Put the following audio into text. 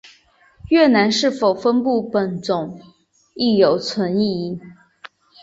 越南是否分布本种亦仍存疑。